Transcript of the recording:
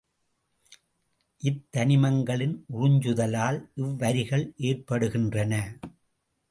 இத்தனிமங்களின் உறிஞ்சுதலால் இவ்வரிகள் ஏற்படுகின்றன.